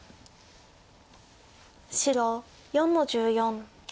白４の十四。